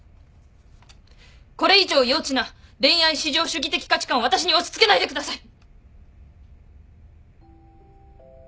これ以上幼稚な恋愛至上主義的価値観を私に押し付けないでください！